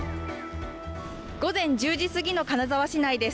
午前１０時過ぎの金沢市内です。